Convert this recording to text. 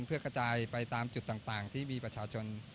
เพื่อกระจายไปตามจุดต่างที่มีประชาชน